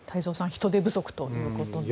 人手不足ということです。